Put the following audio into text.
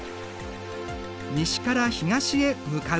西から東へ向かう風だ。